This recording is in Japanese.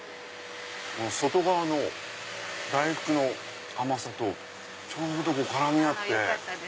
外側の大福の甘さとちょうど絡み合って。